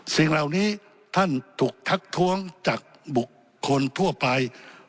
สิ่งเหล่านี้ท่านถูกทักท้วงจากบุคคลทั่วไป